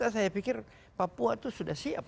saya pikir papua itu sudah siap